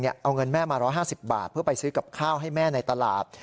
เอาเงินแม่มา๑๕๐บาทเพื่อไปซื้อกับข้าวให้แม่ในตลาด